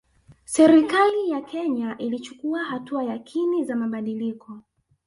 Serikali ya Kenya ilichukua hatua yakini za mabadiliko